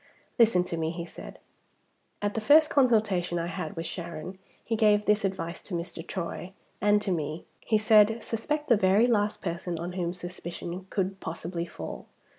"Listen to me," he said. "At the first consultation I had with Sharon he gave this advice to Mr. Troy and to me. He said, 'Suspect the very last person on whom suspicion could possibly fall.